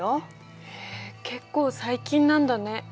へえ結構最近なんだね。